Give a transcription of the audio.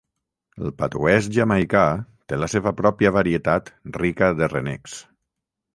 El patuès jamaicà té la seva pròpia varietat rica de renecs.